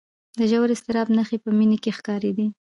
د ژور اضطراب نښې په مينې کې ښکارېدې